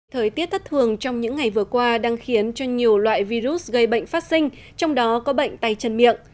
thời tiết thất thường trong những ngày vừa qua đang khiến cho nhiều loại virus gây bệnh phát sinh trong đó có bệnh tay chân miệng